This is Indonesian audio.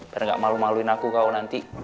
biar gak malu maluin aku kau nanti